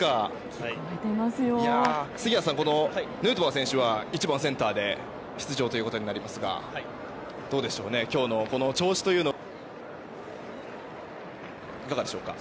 ヌートバー選手は１番センターで出場ということになりますが今日の調子というのはいかがでしょうか。